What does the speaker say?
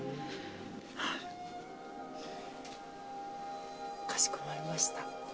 はい、かしこまりました。